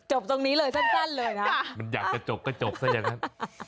ตรงนี้เลยสั้นเลยนะมันอยากจะจบก็จบซะอย่างนั้น